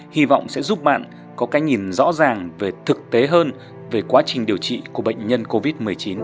hy vọng sẽ giúp bạn có cái nhìn rõ ràng về thực tế hơn về quá trình điều trị của bệnh nhân covid một mươi chín